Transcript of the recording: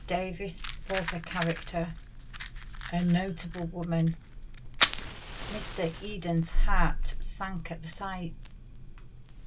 Davies was a character a notable woman. Mr. Eden's heart sank at the sight.